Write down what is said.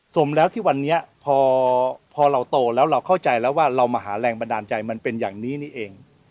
สมแล้วที่วันนี้พอเราโตแล้วเราเข้าใจแล้วว่าเรามาหาแรงบันดาลใจมันเป็นอย่างนี้นี่เอง